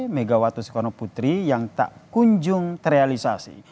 megawattus konoputri yang tak kunjung terrealisasi